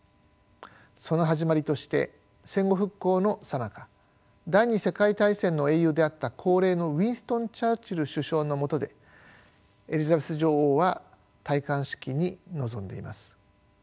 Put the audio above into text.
その始まりとして戦後復興のさなか第２次世界大戦の英雄であった高齢のウィンストン・チャーチル首相のもとでエリザベス女王は戴冠式に臨んでいます。